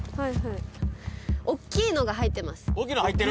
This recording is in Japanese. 「大きいのが入ってる」